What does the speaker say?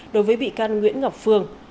đối với bị can nguyễn ngọc phương